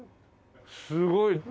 すごい。